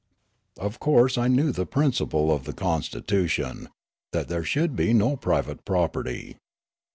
Of course I knew the principle of the constitution — that there should be no private property.